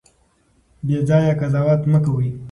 بې ځایه قضاوت مه کوئ.